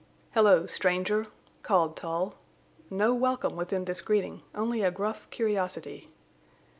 "Hello, stranger!" called Tull. No welcome was in this greeting only a gruff curiosity.